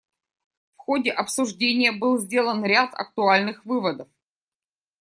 В ходе обсуждения был сделан ряд актуальных выводов.